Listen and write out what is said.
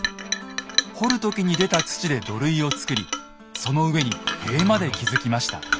掘る時に出た土で土塁を造りその上に塀まで築きました。